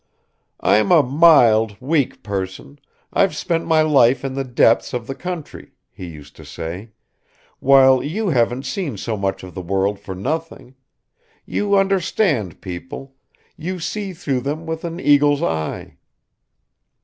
"I'm a mild, weak person, I've spent my life in the depths of the country," he used to say, "while you haven't seen so much of the world for nothing; you understand people, you see through them with an eagle's eye."